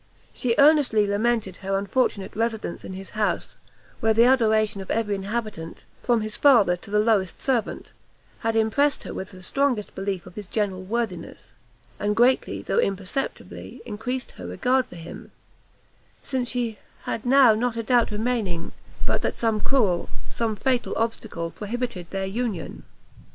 She earnestly lamented her unfortunate residence in his house, where the adoration of every inhabitant, from his father to the lowest servant, had impressed her with the strongest belief of his general worthiness, and greatly, though imperceptibly, encreased her regard for him, since she had now not a doubt remaining but that some cruel, some fatal obstacle, prohibited their union.